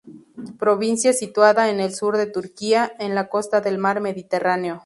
Provincia situada en el sur de Turquía, en la costa del mar Mediterráneo.